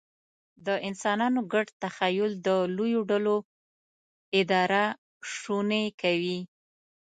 د انسانانو ګډ تخیل د لویو ډلو اداره شونې کوي.